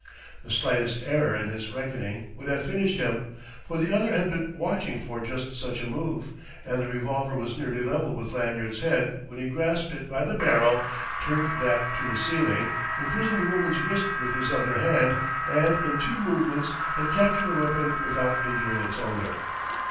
The slightest error in his reckoning would have finished him: for the other had been watching for just such a move, and the revolver was nearly level with Lanyard's head when he grasped it by the barrel, turned that to the ceiling, imprisoned the woman's wrist with his other hand, and in two movements had captured the weapon without injuring its owner.